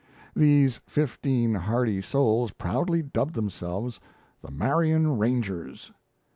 These fifteen hardy souls proudly dubbed themselves the Marion Rangers.